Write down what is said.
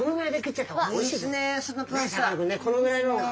このぐらいの方が。